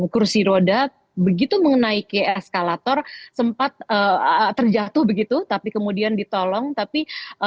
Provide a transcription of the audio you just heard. kursi roda begitu mengenai eskalator sempat terjatuh begitu tapi kemudian ditolong tapi